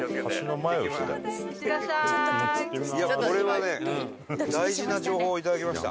いやこれはね大事な情報をいただきました。